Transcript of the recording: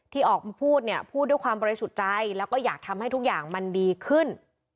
ที่ออกมาพูดเนี่ยพูดด้วยความบริสุทธิ์ใจแล้วก็อยากทำให้ทุกอย่างมันดีขึ้น